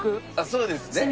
そうですね。